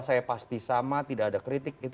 saya pasti sama tidak ada kritik